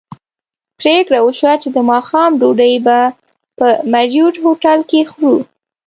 پرېکړه وشوه چې د ماښام ډوډۍ به په مریوټ هوټل کې خورو.